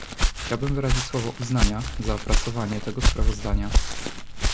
Chciałbym wyrazić słowa uznania za opracowanie tego sprawozdania